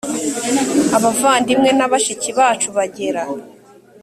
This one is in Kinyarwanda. abavandimwe na bashiki bacu bagera